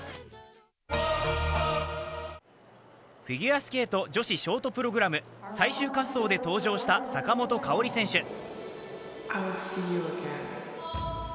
フィギュアスケート女子ショートプログラム最終滑走で登場した坂本花織選手。